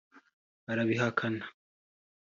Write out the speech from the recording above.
arabihakana